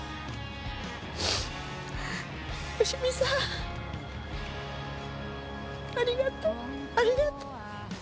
芳美さんありがとうありがとう。